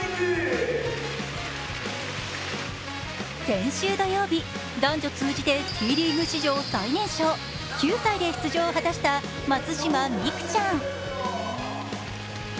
先週土曜日、男女通じてＴリーグ史上最年少９歳で出場を果たした松島美空ちゃん。